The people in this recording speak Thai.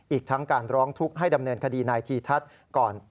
อีกทั้งการร้องทุกข์ให้ดำเนินคดีนายธีทัศน์ก่อน